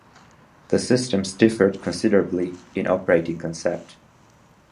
The systems differed considerably in operating concept.